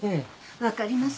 分かります。